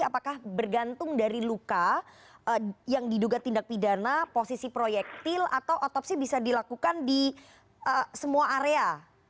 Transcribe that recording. apakah bergantung dari luka yang diduga tindak pidana posisi proyektil atau otopsi bisa dilakukan di semua area